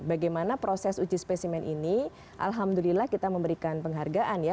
bagaimana proses uji spesimen ini alhamdulillah kita memberikan penghargaan ya